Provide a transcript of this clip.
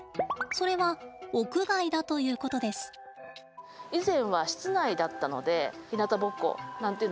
それは屋外だということです。